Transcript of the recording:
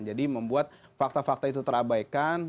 jadi membuat fakta fakta itu terabaikan